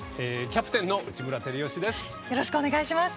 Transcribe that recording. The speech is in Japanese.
キャプテンの内村光良です。